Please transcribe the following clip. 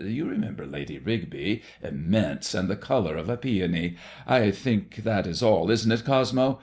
You remembei Lady Rigby ? Immense I and the colour of a peony. I think that is all, isn't it, Cosmo